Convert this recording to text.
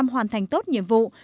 sáu mươi hoàn thành tốt nhiệm vụ